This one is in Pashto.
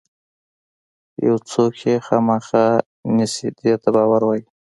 یو څوک یې خامخا نیسي دې ته باور وایي.